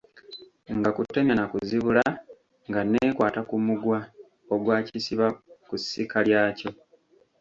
Nga kutemya na kuzibula, nga nneekwata ku mugwa ogwakisiba ku ssika lyakyo.